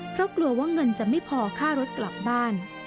เพราะกลัวว่าเงินจะไม่พอค่ารถกลับบ้าน